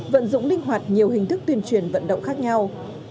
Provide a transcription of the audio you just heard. vận dụng linh hoạt nhiều hình thức tuyên truyền vận động khác nhau